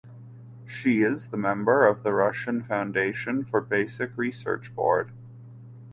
She is the member of the Russian Foundation for Basic Research Board.